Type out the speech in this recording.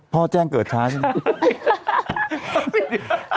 แจ้งเกิดช้าใช่ไหม